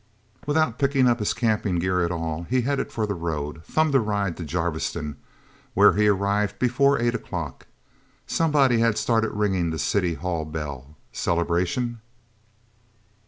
Without picking up his camping gear at all, he headed for the road, thumbed a ride to Jarviston, where he arrived before eight o'clock. Somebody had started ringing the city hall bell. Celebration?